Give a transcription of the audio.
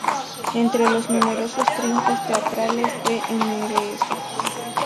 Entre los numerosos triunfos teatrales de Mrs.